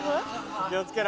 気を付けろ。